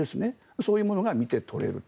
そういうものが見て取れると。